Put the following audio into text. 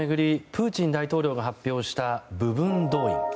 プーチン大統領が発表した部分動員。